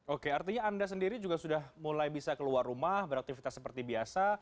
oke artinya anda sendiri juga sudah mulai bisa keluar rumah beraktivitas seperti biasa